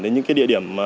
đến những địa điểm